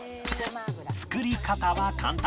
作り方は簡単